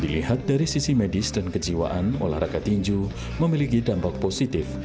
dilihat dari sisi medis dan kejiwaan olahraga tinju memiliki dampak positif